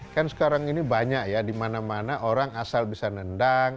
kan sekarang ini banyak ya di mana mana orang asal bisa nendang